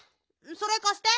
それかして。